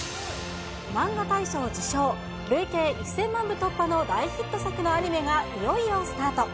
マンガ大賞受賞、累計１０００万部突破の大ヒット作のアニメがいよいよスタート。